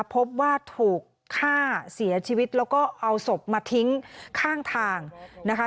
พบว่าถูกฆ่าเสียชีวิตแล้วก็เอาศพมาทิ้งข้างทางนะคะ